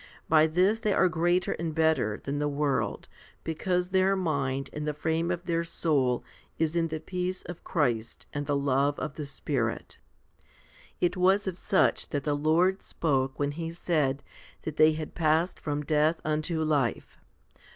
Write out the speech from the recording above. By this they are greater and better than the world, because their mind and the frame of their soul is in the peace of Christ and the love of the Spirit. It was of such that the Lord spoke when He said that they had passed from death unto life.